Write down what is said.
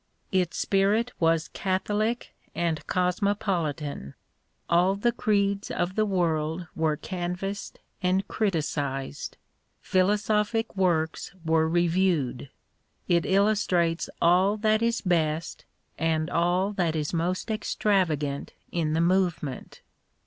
Its spirit was catholic and cosmopolitan — ^aU the creeds of the world were canvassed and criticised ; philosophic works were reviewed. It illustrates aU that is best and all that is most extravagant in the movement.